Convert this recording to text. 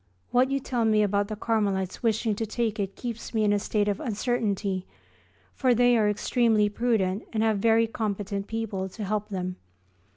What you tell me about the Carmelites wishing to take it keeps me in a state of uncertainty, for they are extremely prudent and have very competent people to help them.